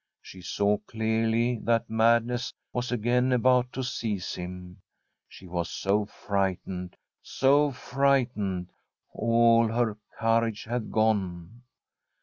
She saw clearly that madness was again about to seize him. She was so frightened, so frightened, all her courage had gone.